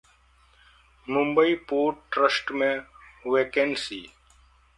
Mumbai port trust में vacancy